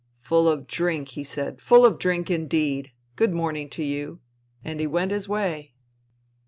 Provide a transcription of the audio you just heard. '' Full of drink,' he said, ' full of drink indeed. Good morning to you !' And he went his way."